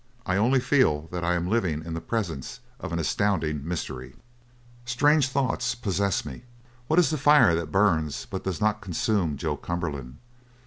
I only feel that I am living in the presence of an astounding mystery. "Strange thoughts possess me. What is the fire that burns but does not consume Joe Cumberland?